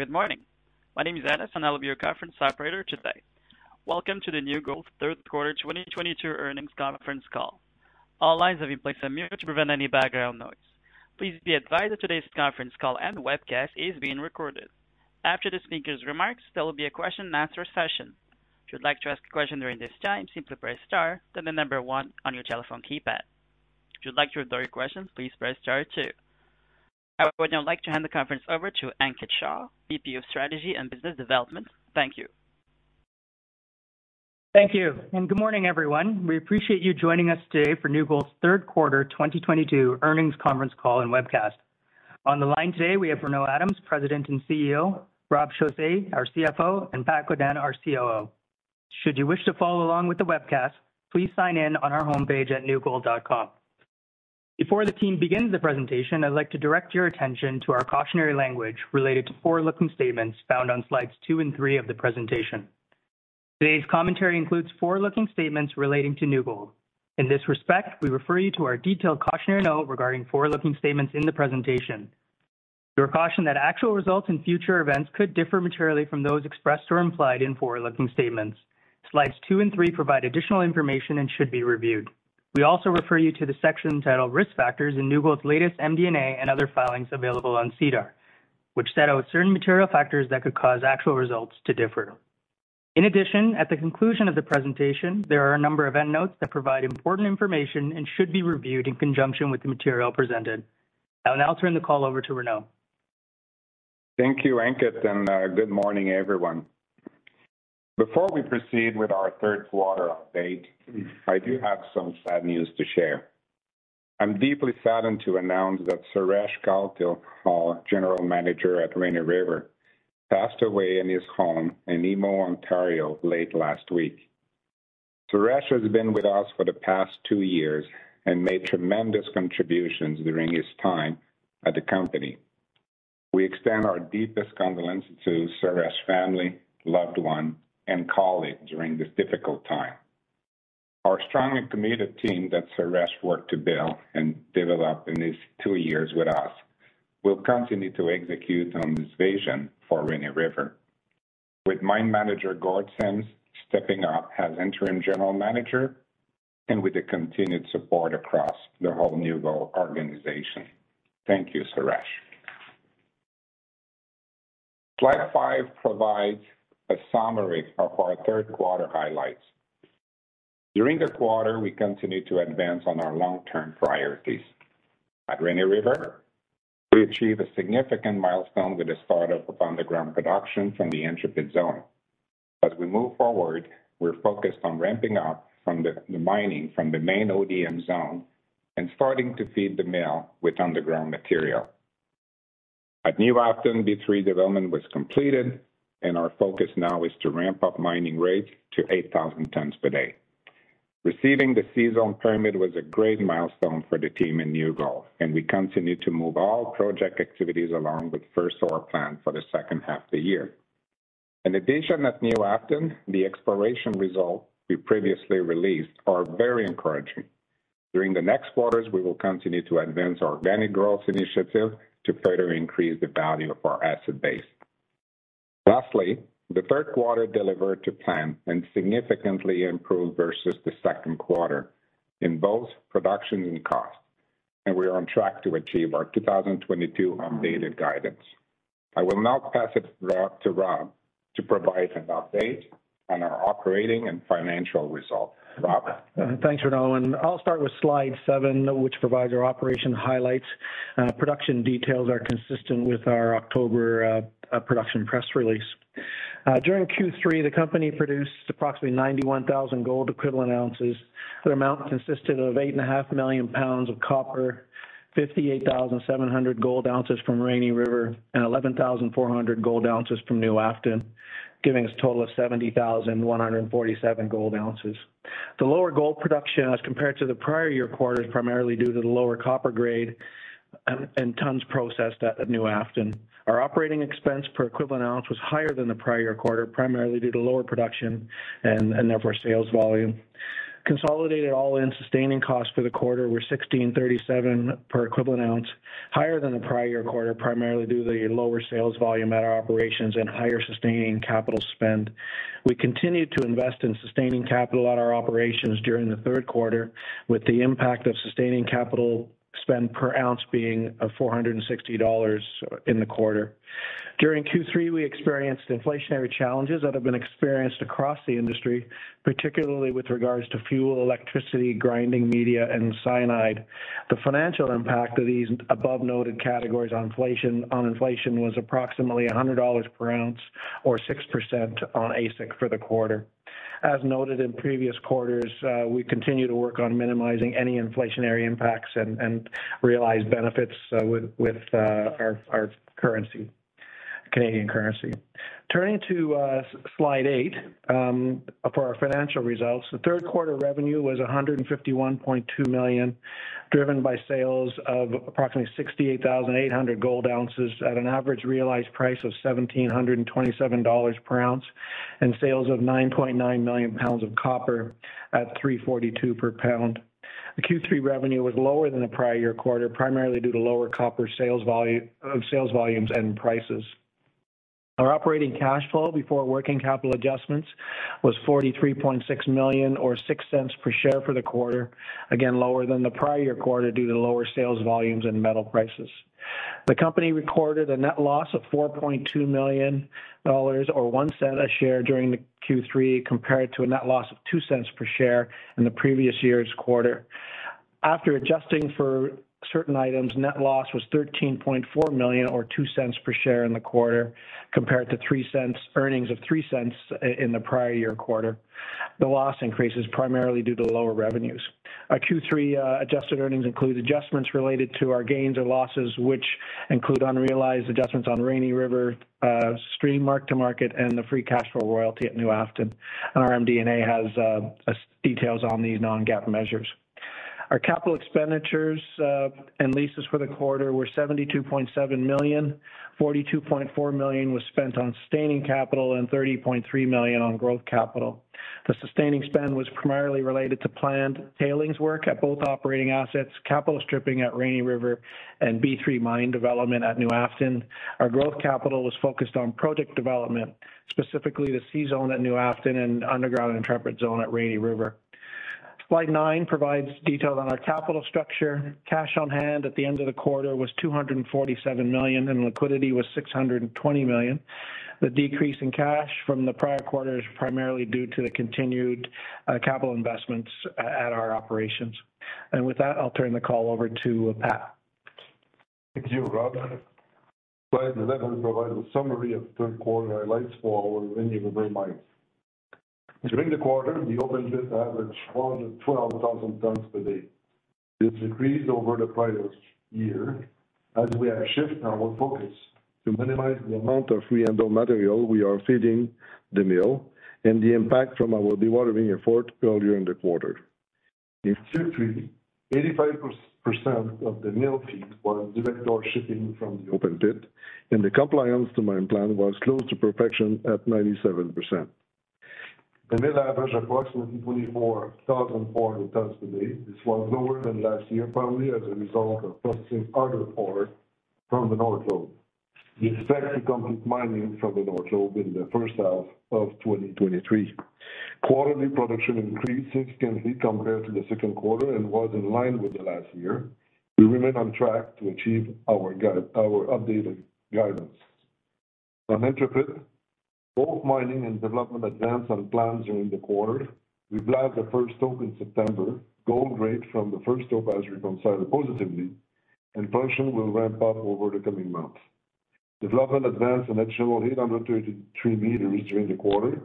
Good morning. My name is Anna, and I'll be your conference operator today. Welcome to the New Gold Third Quarter 2022 Earnings Conference Call. All lines have been placed on mute to prevent any background noise. Please be advised that today's conference call and webcast is being recorded. After the speaker's remarks, there will be a question and answer session. If you'd like to ask a question during this time, simply press star, then the number one on your telephone keypad. If you'd like to withdraw your questions, please press star two. I would now like to hand the conference over to Ankit Shah, VP of Strategy and Business Development. Thank you. Thank you. Good morning, everyone. We appreciate you joining us today for New Gold's Third Quarter 2022 Earnings Conference Call and Webcast. On the line today, we have Renaud Adams, President and CEO, Rob Chausse, our CFO, and Pat Godin, our COO. Should you wish to follow along with the webcast, please sign in on our homepage at newgold.com. Before the team begins the presentation, I'd like to direct your attention to our cautionary language related to forward-looking statements found on slides 2 and 3 of the presentation. Today's commentary includes forward-looking statements relating to New Gold. In this respect, we refer you to our detailed cautionary note regarding forward-looking statements in the presentation. You are cautioned that actual results in future events could differ materially from those expressed or implied in forward-looking statements. Slides 2 and 3 provide additional information and should be reviewed. We also refer you to the section titled Risk Factors in New Gold's latest MD&A and other filings available on SEDAR, which set out certain material factors that could cause actual results to differ. In addition, at the conclusion of the presentation, there are a number of endnotes that provide important information and should be reviewed in conjunction with the material presented. I will now turn the call over to Renaud. Thank you, Ankit, and good morning, everyone. Before we proceed with our Third Quarter Update, I do have some sad news to share. I'm deeply saddened to announce that Suresh Kalathil, our General Manager at Rainy River, passed away in his home in Emo, Ontario, late last week. Suresh has been with us for the past two years and made tremendous contributions during his time at the company. We extend our deepest condolences to Suresh's family, loved ones, and colleagues during this difficult time. Our strong and committed team that Suresh worked to build and develop in his two years with us will continue to execute on his vision for Rainy River. With Mine Manager Gord Simms stepping up as Interim General Manager and with the continued support across the whole New Gold organization. Thank you, Suresh. Slide 5 provides a summary of our third quarter highlights. During the quarter, we continued to advance on our long-term priorities. At Rainy River, we achieved a significant milestone with the start-up of underground production from the Intrepid zone. As we move forward, we're focused on ramping up from the mining from the main ODM zone and starting to feed the mill with underground material. At New Afton, B3 development was completed, and our focus now is to ramp up mining rates to 8,000 tonnes per day. Receiving the C-Zone permit was a great milestone for the team in New Gold, and we continue to move all project activities along with first ore planned for the second half of the year. In addition, at New Afton, the exploration results we previously released are very encouraging. During the next quarters, we will continue to advance our organic growth initiative to further increase the value of our asset base. Lastly, the third quarter delivered to plan and significantly improved versus the second quarter in both production and cost, and we are on track to achieve our 2022 updated guidance. I will now pass it to Rob to provide an update on our operating and financial results. Rob? Thanks, Renaud. I'll start with slide 7, which provides our operation highlights. Production details are consistent with our October production press release. During Q3, the company produced approximately 91,000 gold equivalent ounces. The amount consisted of 8.5 million pounds of copper, 58,700 gold ounces from Rainy River, and 11,400 gold ounces from New Afton, giving us a total of 70,147 gold ounces. The lower gold production as compared to the prior year quarter is primarily due to the lower copper grade and tons processed at New Afton. Our operating expense per equivalent ounce was higher than the prior quarter, primarily due to lower production and therefore sales volume. Consolidated all-in sustaining costs for the quarter were $1,637 per equivalent ounce, higher than the prior quarter, primarily due to the lower sales volume at our operations and higher sustaining capital spend. We continued to invest in sustaining capital at our operations during the third quarter, with the impact of sustaining capital spend per ounce being $460 in the quarter. During Q3, we experienced inflationary challenges that have been experienced across the industry, particularly with regards to fuel, electricity, grinding media, and cyanide. The financial impact of these above-noted categories on inflation was approximately $100 per ounce or 6% on AISC for the quarter. As noted in previous quarters, we continue to work on minimizing any inflationary impacts and realized benefits with our currency, Canadian currency. Turning to slide 8 for our financial results. The third quarter revenue was $151.2 million, driven by sales of approximately 68,800 gold ounces at an average realized price of $1,727 per ounce and sales of 9.9 million pounds of copper at $3.42 per pound. The Q3 revenue was lower than the prior-year quarter, primarily due to lower copper sales volumes and prices. Our operating cash flow before working capital adjustments was $43.6 million or $0.06 per share for the quarter. Again, lower than the prior-year quarter due to lower sales volumes and metal prices. The company recorded a net loss of $4.2 million or $0.01 a share during the Q3, compared to a net loss of $0.02 per share in the previous year's quarter. After adjusting for certain items, net loss was $13.4 million or $0.02 per share in the quarter compared to earnings of $0.03 in the prior year quarter. The loss increases primarily due to lower revenues. Our Q3 adjusted earnings include adjustments related to our gains or losses, which include unrealized adjustments on Rainy River stream mark-to-market, and the free cash flow royalty at New Afton. Our MD&A has details on these non-GAAP measures. Our capital expenditures and leases for the quarter were $72.7 million. $42.4 million was spent on sustaining capital and $30.3 million on growth capital. The sustaining spend was primarily related to planned tailings work at both operating assets, capital stripping at Rainy River, and B3 mine development at New Afton. Our growth capital was focused on project development, specifically the C-Zone at New Afton and underground Intrepid Zone at Rainy River. Slide 9 provides detail on our capital structure. Cash on hand at the end of the quarter was $247 million, and liquidity was 620 million. The decrease in cash from the prior quarter is primarily due to the continued capital investments at our operations. With that, I'll turn the call over to Pat. Thank you, Rob. Slide 11 provides a summary of third quarter highlights for our Rainy River mine. During the quarter, the open pit averaged 412,000 tons per day. This decreased over the prior year as we are shifting our focus to minimize the amount of free-dig and till material we are feeding the mill and the impact from our dewatering effort earlier in the quarter. In Q3, 85% of the mill feed was direct shipping ore from the open pit, and the compliance to mine plan was close to perfection at 97%. The mill averaged approximately 24,000 ore tons per day. This was lower than last year, primarily as a result of processing ore from the North Lobe. We expect to complete mining from the North Lobe in the first half of 2023. Quarterly production increased significantly compared to the second quarter and was in line with the last year. We remain on track to achieve our updated guidance. From Intrepid, both mining and development advanced on plans during the quarter. We blast the first stope in September. Gold grade from the first stope as reconciled positively and production will ramp up over the coming months. Development advanced an additional 833 meters during the quarter,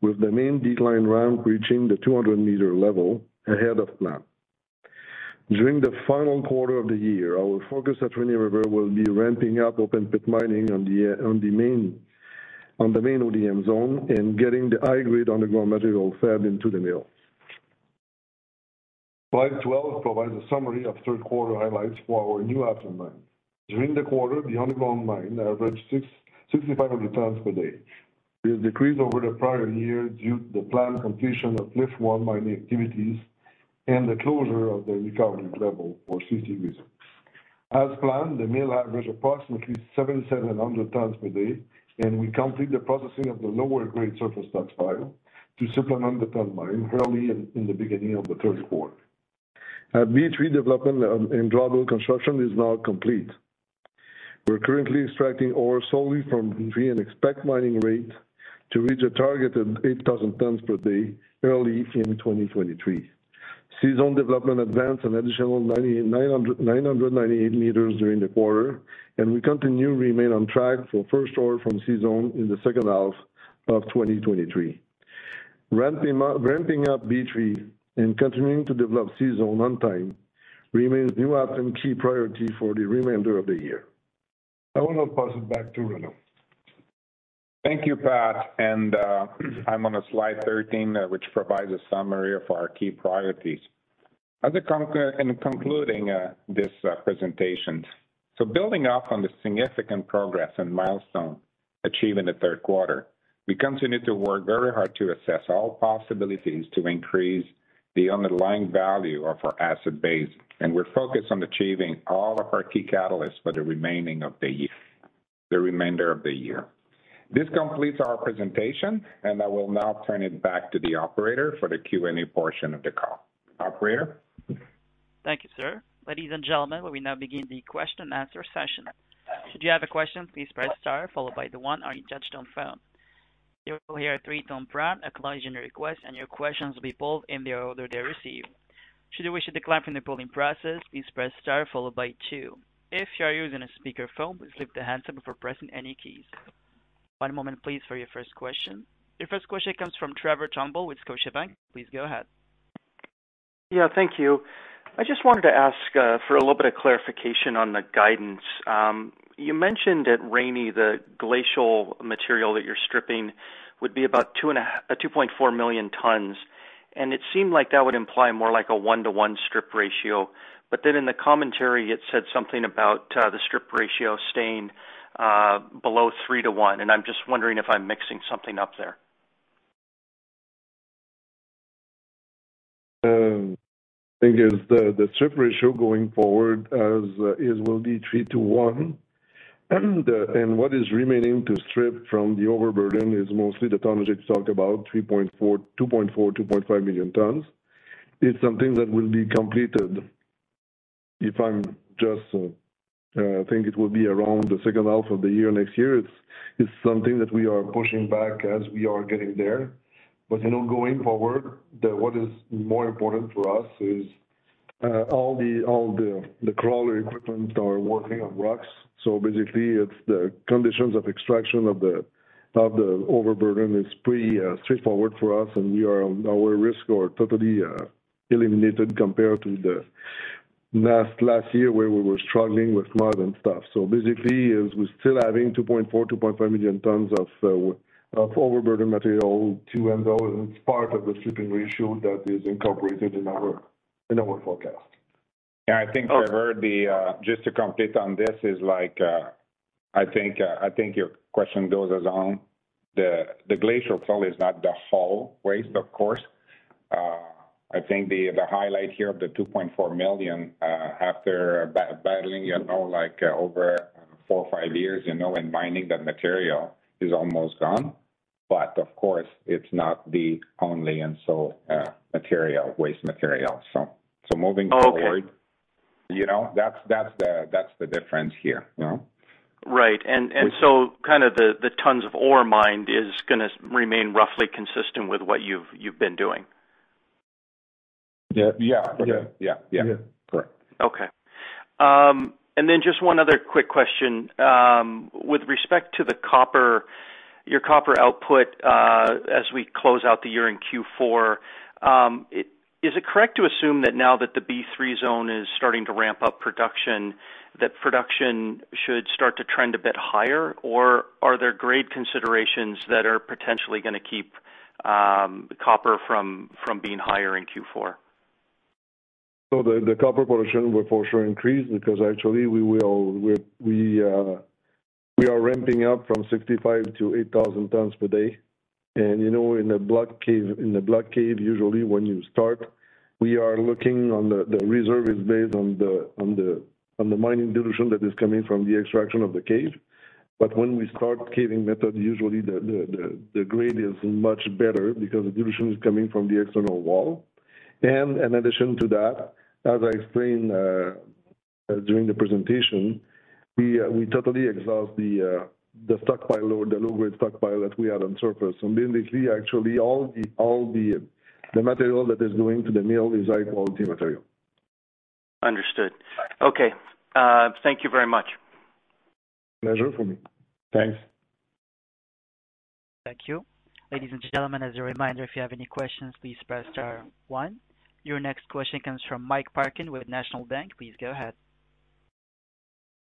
with the main decline ramp reaching the 200-meter level ahead of plan. During the final quarter of the year, our focus at Rainy River will be ramping up open pit mining on the main ODM zone and getting the high-grade underground material fed into the mill. Slide 12 provides a summary of third quarter highlights for our New Afton mine. During the quarter, the underground mine averaged 6,500 tons per day. This decreased over the prior year due to the planned completion of Lift 1 mining activities and the closure of the recovery level for safety reasons. As planned, the mill averaged approximately 7,700 tons per day, and we complete the processing of the lower grade surface stockpile to supplement the tonnage early in the beginning of the third quarter. At B3 development and drawbell construction is now complete. We're currently extracting ore solely from B3 and expect mining rate to reach a target of 8,000 tons per day early in 2023. C-Zone development advanced an additional 998 meters during the quarter, and we continue remain on track for first ore from C-Zone in the second half of 2023. Ramping up B3 and continuing to develop C-Zone on time remains New Afton's key priority for the remainder of the year. I will now pass it back to Renaud. Thank you, Pat. I'm on slide 13, which provides a summary of our key priorities. In concluding this presentation, so building up on the significant progress and milestone achieved in the third quarter, we continue to work very hard to assess all possibilities to increase the underlying value of our asset base, and we're focused on achieving all of our key catalysts for the remainder of the year. This completes our presentation, and I will now turn it back to the operator for the Q&A portion of the call. Operator? Thank you, sir. Ladies and gentlemen, we now begin the question and answer session. Should you have a question, please press star followed by the one on your touchtone phone. You will hear a three-tone prompt acknowledging your request, and your questions will be pulled in the order they're received. Should you wish to decline from the polling process, please press star followed by two. If you are using a speakerphone, please lift the handset before pressing any keys. One moment please for your first question. Your first question comes from Trevor Turnbull with Scotiabank. Please go ahead. Yeah, thank you. I just wanted to ask for a little bit of clarification on the guidance. You mentioned at Rainy, the glacial material that you're stripping would be about 2.4 million tons. It seemed like that would imply more like a 1:1 strip ratio. In the commentary, it said something about the strip ratio staying below 3:1. I'm just wondering if I'm mixing something up there. I think it's the strip ratio going forward as is will be 3:1. What is remaining to strip from the overburden is mostly the tonnage it's talking about 2.4-2.5 million tons. It's something that will be completed. I think it will be around the second half of the year next year. It's something that we are pushing back as we are getting there. You know, going forward, what is more important to us is all the crawler equipment are working on rocks. So basically, it's the conditions of extraction of the overburden is pretty straightforward for us, and our risk are totally eliminated compared to the last year where we were struggling with mud and stuff. Basically, we're still having 2.4-2.5 million tons of overburden material to handle, and it's part of the stripping ratio that is incorporated in our forecast. Yeah, I think Trevor, just to comment on this is like, I think your question goes to the glacial till is not the whole waste, of course. I think the highlight here of the 2.4 million after battling, you know, like, over 4 or 5 years, you know, and mining that material is almost gone. But of course, it's not the only waste material. Moving forward. Okay. You know, that's the difference here, you know. Right. Kind of the tons of ore mined is gonna remain roughly consistent with what you've been doing. Yeah. Yeah. Yeah. Yeah. Yeah. Correct. Okay. Just one other quick question. With respect to the copper, your copper output, as we close out the year in Q4, is it correct to assume that now that the B3 zone is starting to ramp up production, that production should start to trend a bit higher? Or are there grade considerations that are potentially gonna keep copper from being higher in Q4? The copper production will for sure increase because actually we are ramping up from 65 to 8,000 tons per day. You know, in a block cave, usually when you start, we are looking on the reserve is based on the mining dilution that is coming from the extraction of the cave. When we start caving method, usually the grade is much better because the dilution is coming from the external wall. In addition to that, as I explained during the presentation, we totally exhaust the stockpile or the low-grade stockpile that we had on surface. Basically, actually, all the material that is going to the mill is high quality material. Understood. Okay. Thank you very much. Pleasure for me. Thanks. Thank you. Ladies and gentlemen, as a reminder, if you have any questions, please press star one. Your next question comes from Mike Parkin with National Bank. Please go ahead.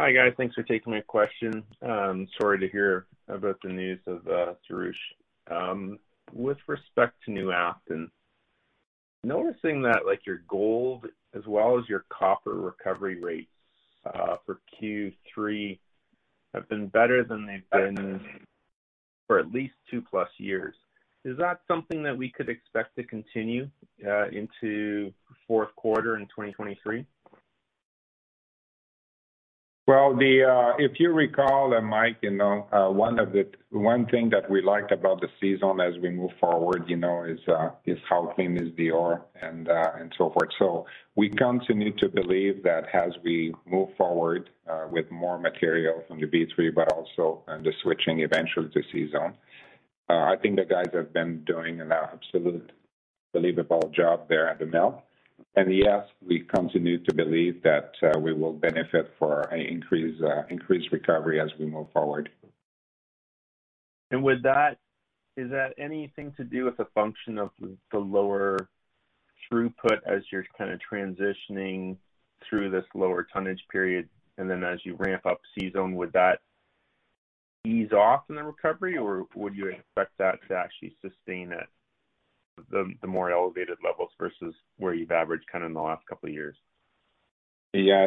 Hi, guys. Thanks for taking my question. Sorry to hear about the news of Suresh. With respect to New Afton, noticing that, like, your gold as well as your copper recovery rates for Q3 have been better than they've been for at least two-plus years. Is that something that we could expect to continue into fourth quarter in 2023? Well, if you recall, Mike, you know, one thing that we liked about the C-Zone as we move forward, you know, is how clean the ore is and so forth. We continue to believe that as we move forward with more material from the B3, but also the switching eventually to C-Zone. I think the guys have been doing an absolutely believable job there at the mill. Yes, we continue to believe that we will benefit from an increased recovery as we move forward. With that, is that anything to do with the function of the lower throughput as you're kind of transitioning through this lower tonnage period? Then as you ramp up C-Zone, would that ease off in the recovery, or would you expect that to actually sustain at the more elevated levels versus where you've averaged kind of in the last couple of years? Yeah,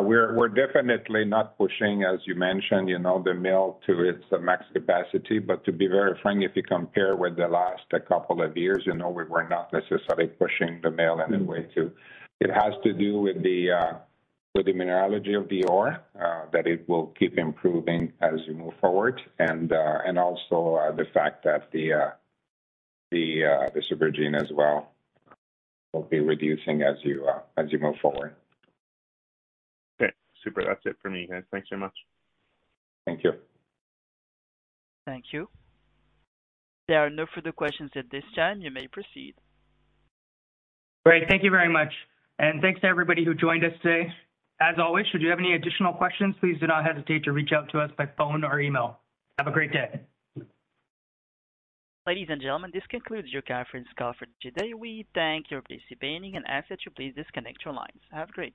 we're definitely not pushing, as you mentioned, you know, the mill to its max capacity. To be very frank, if you compare with the last couple of years, you know, we were not necessarily pushing the mill anyway, too. It has to do with the mineralogy of the ore that it will keep improving as you move forward. Also, the fact that the supergene as well will be reducing as you move forward. Okay, super. That's it for me, guys. Thanks so much. Thank you. Thank you. There are no further questions at this time. You may proceed. Great. Thank you very much. Thanks to everybody who joined us today. As always, should you have any additional questions, please do not hesitate to reach out to us by phone or email. Have a great day. Ladies and gentlemen, this concludes your conference call for today. We thank you for participating and ask that you please disconnect your lines. Have a great day.